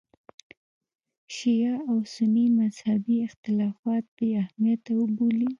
شیعه او سني مذهبي اختلافات بې اهمیته وبولي.